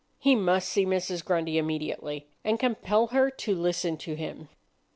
He must see Mrs. Grundy immediately, and compel her to listen to him.